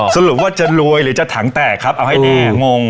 สรุปว่าจะรวยหรือจะถังแตกครับเอาให้ดีงง